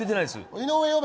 井上呼べ。